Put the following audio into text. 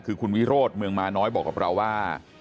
คือคุณวิโรธเมืองมาน้อยบอกกับเราว่า